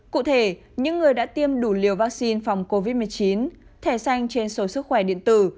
cụ thể những người đã tiêm đủ liều vaccine phòng covid một mươi chín thẻ xanh trên số sức khỏe điện tử